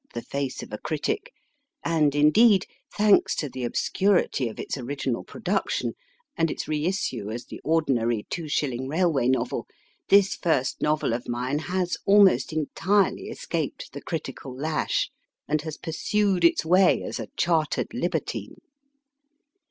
BRAD DON 117 the face of a critic ; and, indeed, thanks to the obscurity of its original production, and its re issue as the ordinary two shilling railway novel, this first novel of mine has almost entirely escaped the critical lash, and has pursued its way as a chartered libertine.